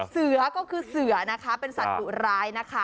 เสือก็คือเสือนะคะเป็นสัตว์ดุร้ายนะคะ